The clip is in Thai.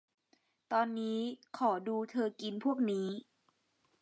ตอนนี้ขอดูเธอกินพวกนี้